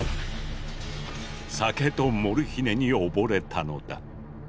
酒とモルヒネに溺れたのだ。